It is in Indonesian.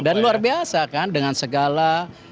dan luar biasa kan dengan segala